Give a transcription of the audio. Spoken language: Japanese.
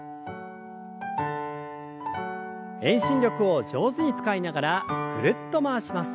遠心力を上手に使いながらぐるっと回します。